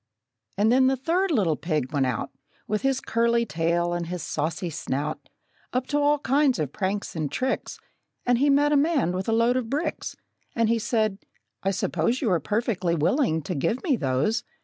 And then the third little pig went out, With his curly tail and his saucy snout, Up to all kinds of pranks and tricks; And he met a man with a load of bricks, And he said, "I suppose You are perfectly willing to give me those?"